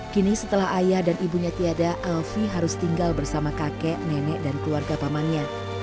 kini setelah ayah dan ibunya tiada alfie harus tinggal bersama kakek nenek dan keluarga pamannya